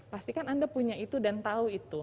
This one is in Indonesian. pastikan anda punya itu dan tahu itu